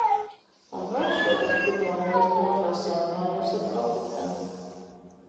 Un vēl šodien pirmo reizi mūžā sarunājos ar kotletēm.